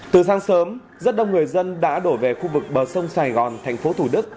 từ sáng sớm rất đông người dân đã đổ về khu vực bờ sông sài gòn thành phố thủ đức